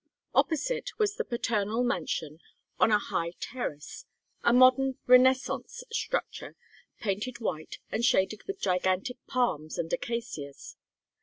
Opposite was the paternal mansion on a high terrace, a modern Renaissance structure, painted white and shaded with gigantic palms and acacias.